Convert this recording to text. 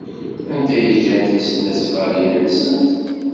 Anda ay ǧǧant tisnasɣalin-nsent?